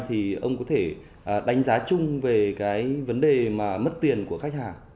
thì ông có thể đánh giá chung về cái vấn đề mà mất tiền của khách hàng